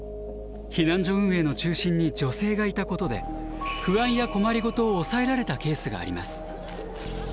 避難所運営の中心に女性がいたことで不安や困り事を抑えられたケースがあります。